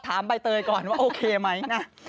ถามใบเตยก่อนว่าโอเคไหม